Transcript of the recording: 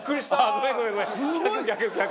ごめんごめんごめん逆逆逆。